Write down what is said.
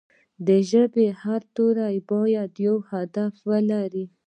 د ژبې هر توری باید یو هدف ولري.